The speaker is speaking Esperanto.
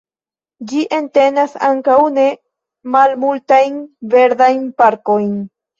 Gi entenas ankaŭ ne malmultajn verdajn parkojn.